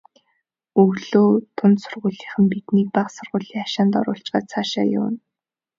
Өглөө дунд сургуулийнхан биднийг бага сургуулийн хашаанд оруулчихаад цаашаа явна.